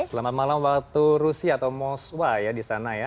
selamat malam waktu rusia atau moswa ya di sana ya